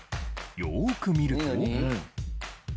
よーく見ると。